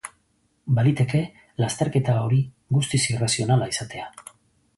Baliteke lasterketa hori guztiz irrazionala izatea.